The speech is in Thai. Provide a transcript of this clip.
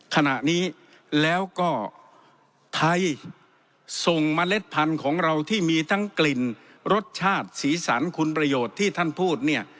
ขณะนี้แล้วก็ไทยส่งเมล็ดพันธุ์ของเราที่มีทั้งกลิ่นรสชาติสีสันคุณประโยชน์ที่ท่านพูดเนี่ย